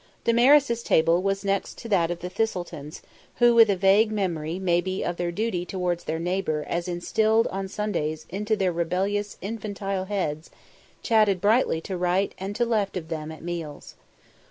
Damaris's table was next that of the Thistletons, who, with a vague memory maybe of their duty towards their neighbour as instilled on Sundays into their rebellious infantile heads, chatted brightly to right and to left of them at meals.